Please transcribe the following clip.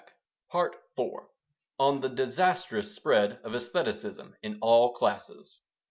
ON THE DISASTROUS SPREAD OF ÆSTHETICISM IN ALL CLASSES.